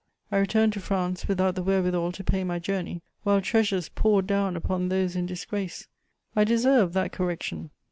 I returned to France without the wherewithal to pay my journey, while treasures poured down upon those in disgrace: I deserved that correction.